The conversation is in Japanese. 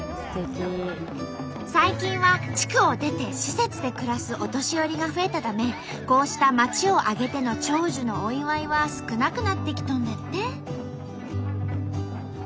最近は地区を出て施設で暮らすお年寄りが増えたためこうした町を挙げての長寿のお祝いは少なくなってきとんだって。